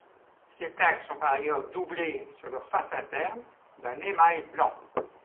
Ces plaques sont par ailleurs doublées, sur leur face interne, d’un émail blanc.